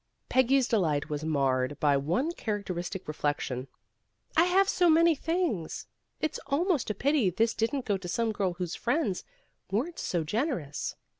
Peggy's delight was marred by one characteristic reflection. "I have so many things. It's almost a pity this didn't go to some girl whose friends weren't so generous."